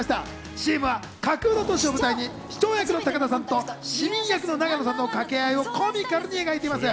ＣＭは架空の都市を舞台に、市長役の高田さんと、市民役の永野さんの掛け合いをコミカルに描いています。